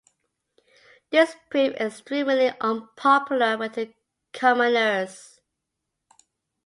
This proved extremely unpopular with the commoners.